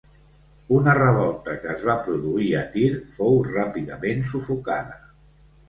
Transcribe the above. Una revolta que es va produir a Tir fou ràpidament sufocada.